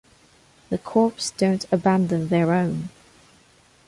The Corps don't abandon their own.